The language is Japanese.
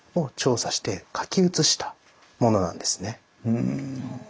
うん。